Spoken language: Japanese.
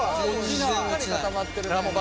しっかり固まってるね。